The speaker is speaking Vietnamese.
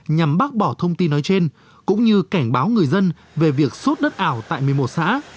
nhằm bác bỏ thông tin nói trên cũng như cảnh báo người dân về việc sốt đất ảo tại một mươi một xã